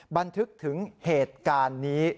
บันทึกถึงเหตุการณ์นี้